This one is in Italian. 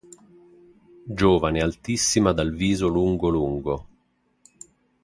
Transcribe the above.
giovane altissima dal viso lungo lungo.